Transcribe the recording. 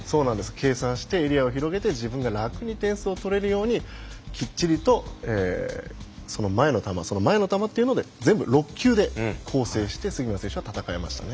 計算してエリアを広げて自分が楽に点数を取れるようにきっちりとその前の球、その前の球全部６球で構成して杉村選手は戦いましたね。